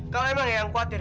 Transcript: kalau emang eyang khawatir